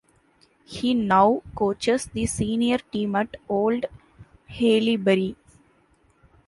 He now coaches the senior team at Old Haileybury.